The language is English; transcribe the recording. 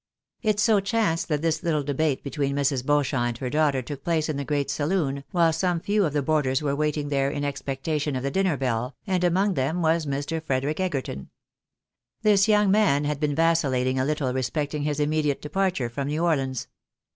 It so chanced that this little debate between JMrs. Beauchamp and her daughter took place in the great saloon, while some few of the boarders were waiting there in expectation of the dinner bell, and among them was Mr. Frederic Egerton. This young man had been vacillating a little respecting his immediate departure from New Orleans.